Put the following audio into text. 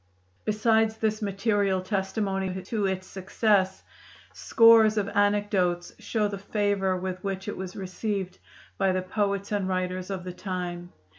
Besides this material testimony to its success, scores of anecdotes show the favor with which it was received by the poets and writers of the time.